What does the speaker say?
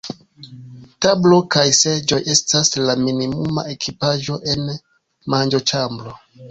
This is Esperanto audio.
Tablo kaj seĝoj estas la minimuma ekipaĵo en manĝoĉambro.